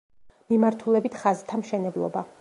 მიმართულებით ხაზთა მშენებლობა.